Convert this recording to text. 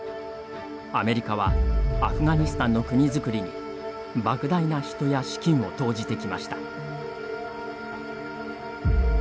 アメリカはアフガニスタンの国づくりにばく大な人や資金を投じてきました。